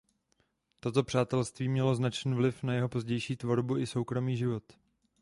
Toto přátelství mělo značný vliv na jeho pozdější tvorbu i soukromý život.